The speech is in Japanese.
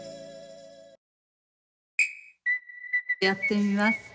やってみます